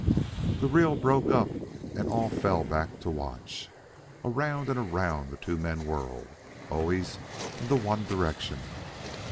The reel broke up and all fell back to watch. Around and around the two men whirled, always in the one direction.